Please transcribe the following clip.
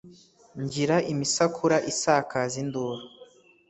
ngira imisakura isakaza induru